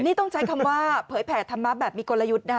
นี่ต้องใช้คำว่าเผยแผ่ธรรมะแบบมีกลยุทธ์นะคะ